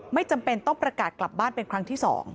ไม่จำเป็นต้องประกาศกลับบ้านเป็นครั้งที่๒